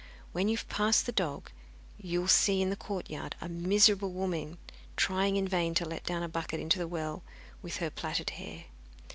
When you have passed the dog, you will see in the courtyard a miserable woman trying in vain to let down a bucket into the well with her plaited hair.